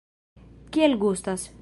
Kiel gustas?